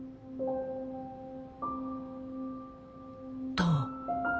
どう？